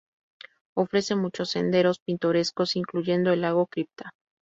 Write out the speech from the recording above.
Ofrece muchos senderos pintorescos, incluyendo el lago Cripta.